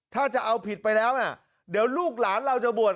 ถ้าจะเอาผิดไปแล้วนะเดี๋ยวลูกหลานเราจะบวช